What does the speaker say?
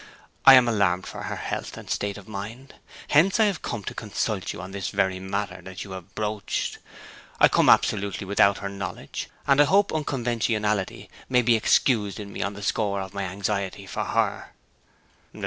I am alarmed for her health and state of mind. Hence I have come to consult you on this very matter that you have broached. I come absolutely without her knowledge, and I hope unconventionality may be excused in me on the score of my anxiety for her.'